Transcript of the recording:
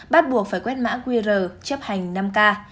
bắt buộc phải quét mã qr chấp hành năm k